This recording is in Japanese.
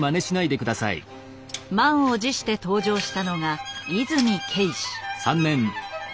満を持して登場したのが和泉慧士。